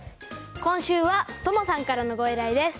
今週はともさんからのご依頼です